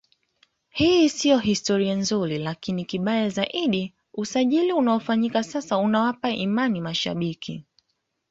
Hii sio historia nzuri lakini kibaya zaidi usajili unaofanyika sasa unawapa imani mashabiki